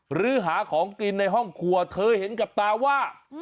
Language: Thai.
หรือหาของกินในห้องครัวเธอเห็นกับตาว่า